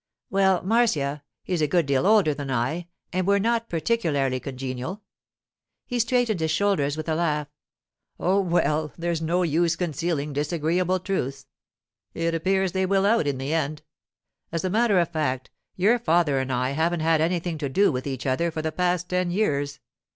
'Well Marcia, he's a good deal older than I, and we're not particularly congenial.' He straightened his shoulders with a laugh. 'Oh, well, there's no use concealing disagreeable truths. It appears they will out in the end. As a matter of fact, your father and I haven't had anything to do with each other for the past ten years.